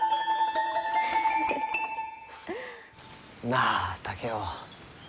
なあ竹雄。